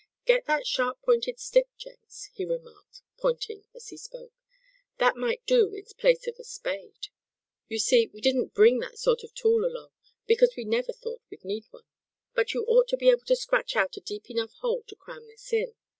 "Get that sharp pointed stick, Jenks," he remarked, pointing as he spoke, "that might do in place of a spade. You see, we didn't bring that sort of tool along, because we never thought we'd need one. But you ought to be able to scratch out a deep enough hole to cram this in.